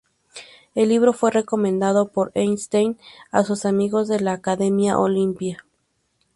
El libro fue recomendado por Einstein a sus amigos de la Academia Olimpia.